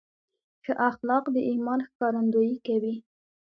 ښه اخلاق د ایمان ښکارندویي کوي.